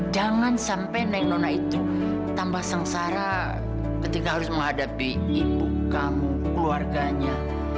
jangan sampai neng nona itu tambah sengsara ketika harus menghadapi ibu kamu keluarganya